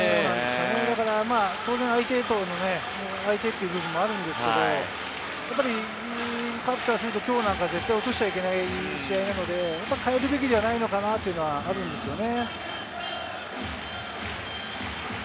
当然、相手という部分もあるんですけれど、やっぱりカープからすると今日なんか絶対落としちゃいけない試合なので代えるべきじゃないのかなってのがあるんですよね。